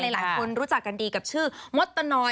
หลายคนรู้จักกันดีกับชื่อมดตนอย